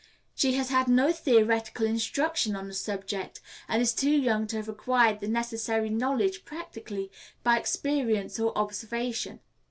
She has had no theoretical instruction on the subject, and is too young to have acquired the necessary knowledge practically, by experience or observation.